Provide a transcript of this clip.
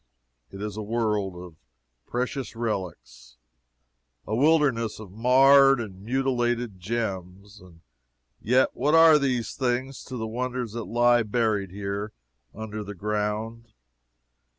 It is a world of precious relics, a wilderness of marred and mutilated gems. And yet what are these things to the wonders that lie buried here under the ground?